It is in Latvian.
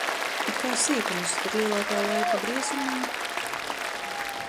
It kā sīkums, bet lielākā laika griezumā...